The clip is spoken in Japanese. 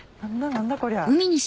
何だこりゃ。